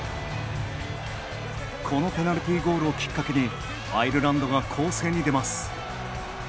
このペナルティーゴールをきっかけにアイルランドが攻勢に出ます。